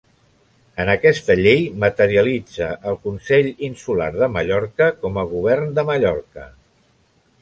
En aquesta llei materialitza el Consell Insular de Mallorca com a Govern de Mallorca.